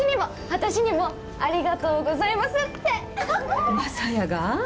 私にも「ありがとうございます」って。雅也が？